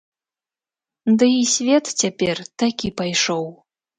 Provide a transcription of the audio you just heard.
Ды і свет цяпер такі пайшоў.